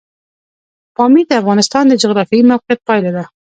پامیر د افغانستان د جغرافیایي موقیعت پایله ده.